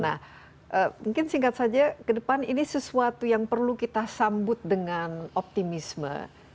nah mungkin singkat saja ke depan ini sesuatu yang perlu kita sambut dengan optimisme